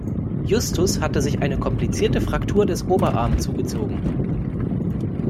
Justus hatte sich eine komplizierte Fraktur des Oberarm zugezogen.